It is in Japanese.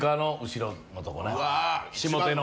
下手の。